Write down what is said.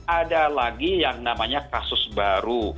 ada lagi yang namanya kasus baru